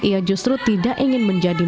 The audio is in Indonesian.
ia justru tidak ingin menjadi